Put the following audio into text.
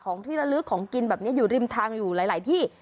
ที่ระลึกของกินแบบนี้อยู่ริมทางอยู่หลายที่